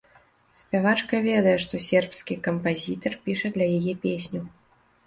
Спявачка ведае, што сербскі кампазітар піша для яе песню.